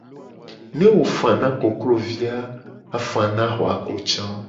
Ne wo fana koklovi a wo la fana ahwako ca.